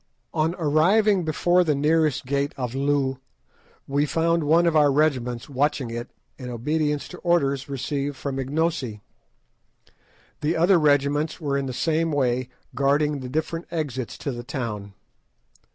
On arriving before the nearest gate of Loo we found one of our regiments watching it in obedience to orders received from Ignosi. The other regiments were in the same way guarding the different exits to the town.